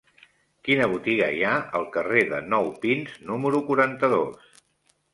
Quina botiga hi ha al carrer de Nou Pins número quaranta-dos?